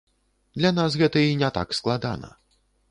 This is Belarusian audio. Для нас гэта і не так складана.